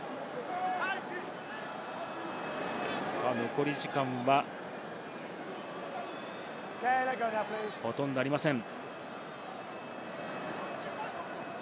残り時間はほとんどありません。